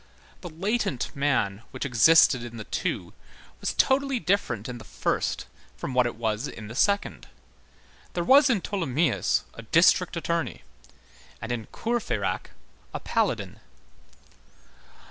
The latent man which existed in the two was totally different in the first from what it was in the second. There was in Tholomyès a district attorney, and in Courfeyrac a paladin.